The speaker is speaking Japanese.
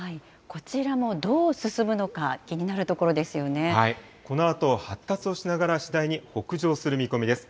こちらもどう進むのか、このあと、発達をしながら次第に北上する見込みです。